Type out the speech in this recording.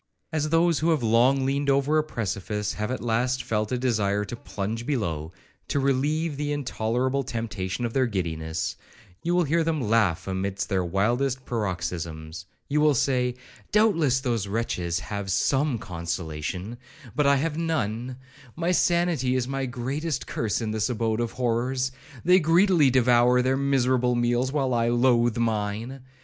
As those who have long leaned over a precipice, have at last felt a desire to plunge below, to relieve the intolerable temptation of their giddiness,1 you will hear them laugh amid their wildest paroxysms; you will say, 'Doubtless those wretches have some consolation, but I have none; my sanity is my greatest curse in this abode of horrors. They greedily devour their miserable meals, while I loathe mine.